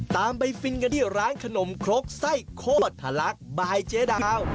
ตามไปฟินกันที่ร้านขนมครกไส้โคตรทะลักบายเจ๊ดาว